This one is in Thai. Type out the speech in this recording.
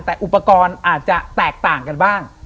แต่อุปกรณ์อาจจะแตกต่างกันบ้าง